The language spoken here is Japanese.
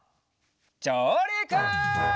じょうりく！